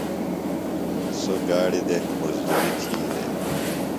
سوۡ گاڑیۡ دےۡ مزدُرُری تھی دےۡ۔